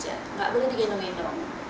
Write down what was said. tidak boleh digendong gendong